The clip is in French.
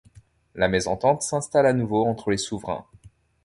La mésentente s'installe à nouveau entre les souverains.